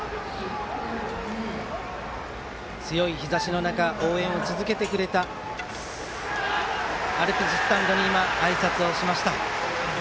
強い日ざしの中応援を続けてくれたアルプススタンドに今、あいさつをしました。